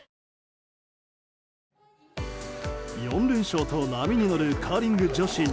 ４連勝と波に乗るカーリング女子